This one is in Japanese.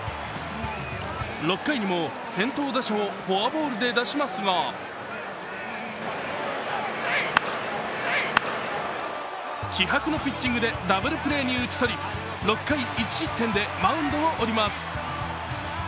６回にも先頭打者をフォアボールで出しますが気迫のピッチングでダブルプレーに打ち取り６回１失点でマウンドを降ります。